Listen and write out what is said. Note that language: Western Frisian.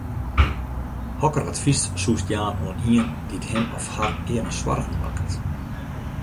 Hokker advys soest jaan oan ien dy’t him of har earne soargen makket?